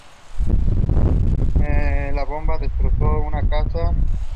The people decided to kill the giant by burning his hair.